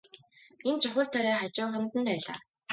Энэ чухал тариа хажууханд нь байлаа.